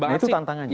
nah itu tantangannya